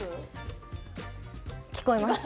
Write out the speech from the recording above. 聞こえます？